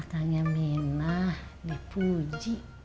akangnya minah dipuji